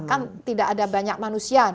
kan tidak ada banyak manusia